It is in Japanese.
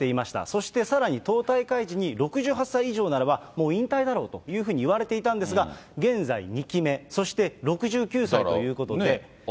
そしてさらに党大会時に、６８歳以上ならばもう引退だろうというふうにいわれていたんですが、現在２期目、当てはまらないんだよね。